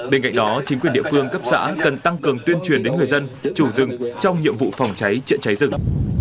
bên cạnh đó chính quyền địa phương cấp xã cần tăng cường tuyên truyền đến người dân chủ rừng trong nhiệm vụ phòng cháy chữa cháy rừng